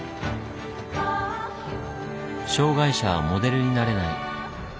障害者はモデルになれない。